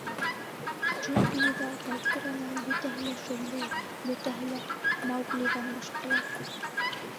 — Джунглиҙа Багиранан бөтәһе лә шөрләй, бөтәһе лә — Мауглиҙан башҡалар.